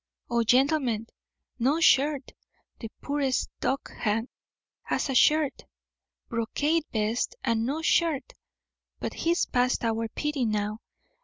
Oh, gentlemen, no shirt! The poorest dockhand has a shirt! Brocaded vest and no shirt; but he's past our pity now.